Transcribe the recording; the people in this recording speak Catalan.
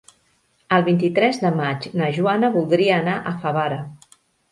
El vint-i-tres de maig na Joana voldria anar a Favara.